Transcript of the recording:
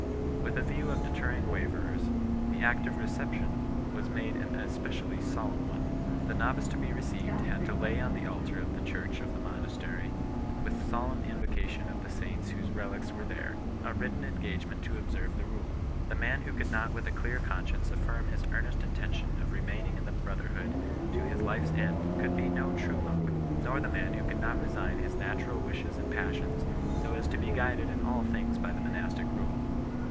With a view of deterring waverers, the act of reception was made an especially solemn one. The novice to be received had to lay on the altar of the church of the monastery, with solemn invocation of the saints whose relics were there, a written engagement to observe the Rule. The man who could not with a clear conscience affirm his earnest inten tion of remaining in the brotherhood to his life s end could be no true monk; nor the man who could not resign his natural wishes and passions so as to be guided in all things by the monastic Rule.